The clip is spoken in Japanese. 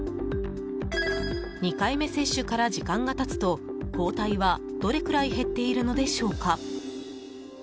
２回目接種から時間が経つと抗体はどれくらい減っているのでしょうか。